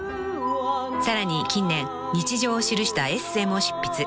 ［さらに近年日常を記したエッセイも執筆］